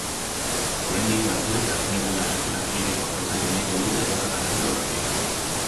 Oraindik batzuek azken eguna erosketak egiteko aprobetxatu nahiko dute gauzak garestitu aurretik.